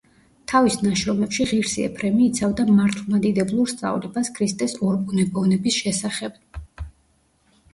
თავის ნაშრომებში ღირსი ეფრემი იცავდა მართლმადიდებლურ სწავლებას ქრისტეს ორბუნებოვნების შესახებ.